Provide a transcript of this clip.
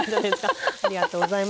ありがとうございます。